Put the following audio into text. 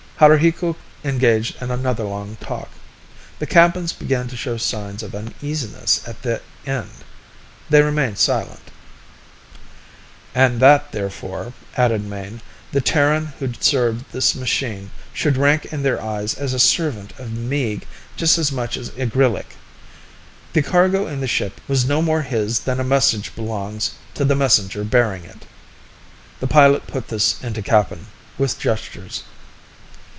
Haruhiku engaged in another long talk. The Kappans began to show signs of uneasiness at the end. They remained silent. "And that therefore," added Mayne, "the Terran who served this machine should rank in their eyes as a servant of Meeg just as much as Igrillik. The cargo in the ship was no more his than a message belongs to the messenger bearing it." The pilot put this into Kappan, with gestures.